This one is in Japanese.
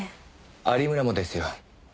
有村もですよ。